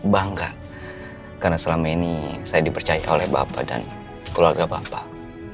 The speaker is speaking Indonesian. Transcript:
bangga karena selama ini saya dipercaya oleh bapak dan keluarga bapak